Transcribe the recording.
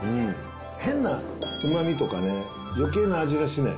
変なうまみとかね、よけいな味がしない。